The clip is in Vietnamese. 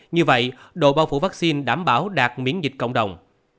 như vậy độ bao phủ vaccine đảm bảo đạt miễn dịch cộng đồng